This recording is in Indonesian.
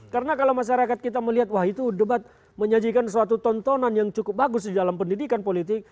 karena kalau masyarakat kita melihat wah itu debat menyajikan suatu tontonan yang cukup bagus di dalam pendidikan politik